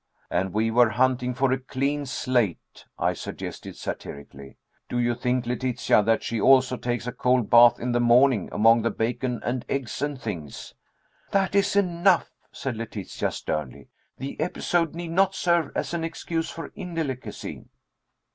"And we were hunting for a clean slate," I suggested satirically. "Do you think, Letitia, that she also takes a cold bath in the morning, among the bacon and eggs, and things?" "That is enough," said Letitia sternly. "The episode need not serve as an excuse for indelicacy."